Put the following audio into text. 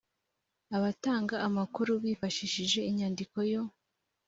abatanga amakuru bifashishije inyandiko yo